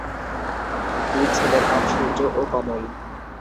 দুই ছেলের নাম সূর্য ও কমল।